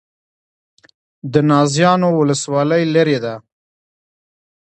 د نازیانو ولسوالۍ لیرې ده